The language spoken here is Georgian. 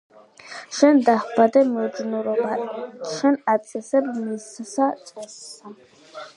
შენ დაჰბადე მიჯნურობა, შენ აწესებ მისსა წესსა